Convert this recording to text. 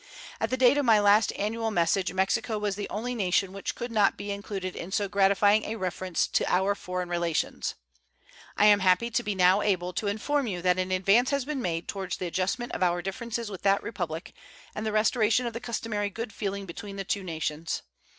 At the date of my last annual message Mexico was the only nation which could not be included in so gratifying a reference to our foreign relations. I am happy to be now able to inform you that an advance has been made toward the adjustment of our differences with that Republic and the restoration of the customary good feeling between the two nations.